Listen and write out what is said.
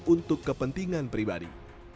untuk kepentingan pribadi